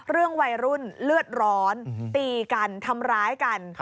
วัยรุ่นเลือดร้อนตีกันทำร้ายกัน